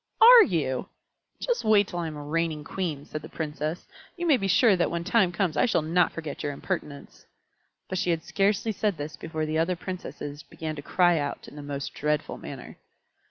"Are you? Just you wait till I am a reigning Queen," said the Princess. "You may be sure that when that time comes I shall not forget your impertinence." But she had scarcely said this before the other Princesses began to cry out in the most dreadful manner.